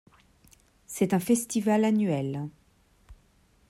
C'est un festival annuel.